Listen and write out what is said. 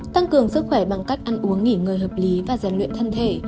tăng cường sức khỏe bằng cách ăn uống nghỉ ngơi hợp lý và giàn luyện thân thể